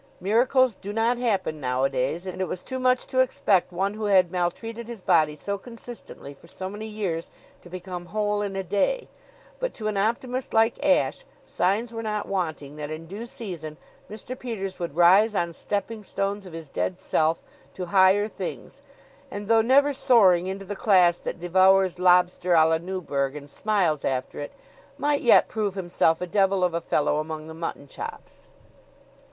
Miracles do not happen nowadays, and it was too much to expect one who had maltreated his body so consistently for so many years to become whole in a day; but to an optimist like Ashe signs were not wanting that in due season Mr. Peters would rise on stepping stones of his dead self to higher things, and though never soaring into the class that devours lobster a la Newburg and smiles after it, might yet prove himself a devil of a fellow among the mutton chops.